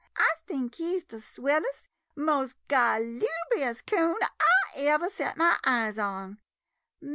I think he 's the swellest, mos' galubrious coon I ever set ma eyes on.